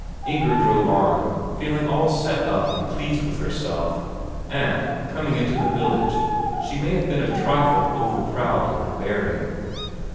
Inger drove on, feeling all set up and pleased with herself, and, coming into the village, she may have been a trifle overproud in her bearing.